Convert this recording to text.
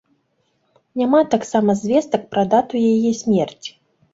Няма таксама звестак пра дату яе смерці.